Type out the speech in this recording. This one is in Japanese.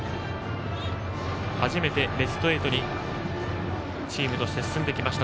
初めてベスト８にチームとして進んできました。